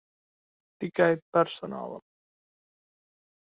Tikai personālam.